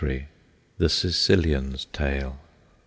THE SICILIAN'S TALE.